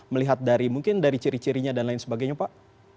melihat dari mungkin dari ciri cirinya dan lain sebagainya pak